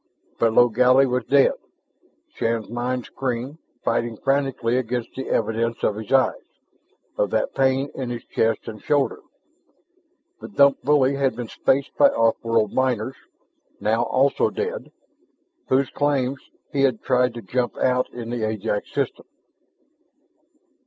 But Logally was dead, Shann's mind screamed, fighting frantically against the evidence of his eyes, of that pain in his chest and shoulder. The Dump bully had been spaced by off world miners, now also dead, whose claims he had tried to jump out in the Ajax system.